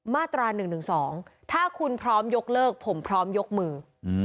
มาตรา๑๑๒ถ้าคุณพร้อมยกเลิกผมพร้อมยกมือ